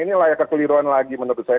inilah yang kekeliruan lagi menurut saya